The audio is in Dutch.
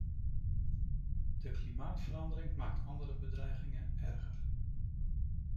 De klimaatverandering maakt andere bedreigingen erger.